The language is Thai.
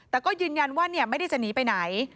แต่ก็ยืนยันว่าไม่ได้จะหนีไปไหน